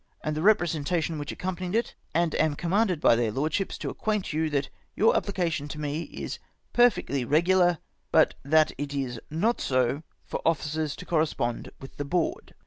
and the representation which accompanied it, and am commanded by their Lordships to acquaint you that your application to me is perfectly regular, hut that it is not so for officers to correspond lulth the Board.